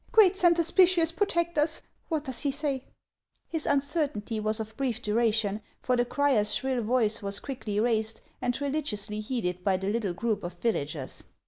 Great Saint Hospitius, protect us ! What does he say ?" His uncertainty was of brief duration, for the crier's shrill voice was quickly raised, and religiously heeded by the little group of villagers.